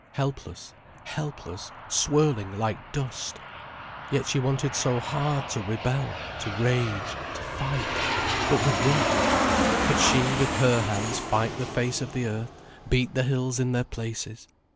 Helpless, helpless, swirling like dust! Yet she wanted so hard to rebel, to rage, to fight. But with what? Could she with her hands fight the face of the earth, beat the hills in their places?